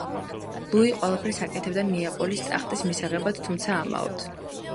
ლუი ყველაფერს აკეთებდა ნეაპოლის ტახტის მისაღებად, თუმცა ამაოდ.